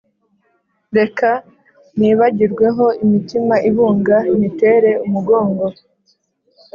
reka nibagirweho imitima ibunga nyitere umugongo